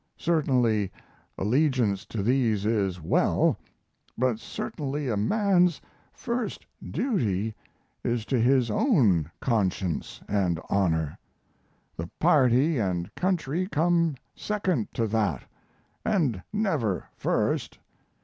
Certainly allegiance to these is well, but certainly a man's first duty is to his own conscience and honor; the party and country come second to that, and never first.